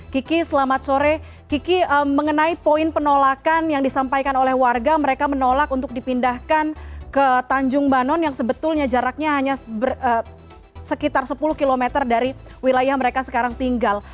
kiki selamat sore kiki mengenai poin penolakan yang disampaikan oleh warga mereka menolak untuk dipindahkan ke tanjung banon yang sebetulnya jaraknya hanya sekitar sepuluh km dari wilayah mereka sekarang tinggal